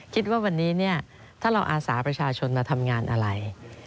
คิดว่าวันนี้ถ้าเราอาสาประชาชนมาทำงานอะไร